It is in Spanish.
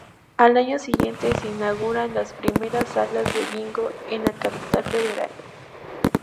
Al año siguiente se inauguran las primeras salas de bingo en la Capital Federal.